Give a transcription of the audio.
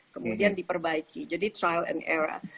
kemudian diperbaiki jadi trial and error